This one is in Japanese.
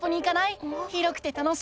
広くて楽しいよ！